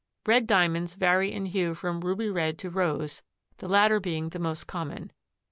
Red Diamonds vary in hue from ruby red to rose, the latter being the most common.